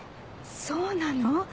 そうなの？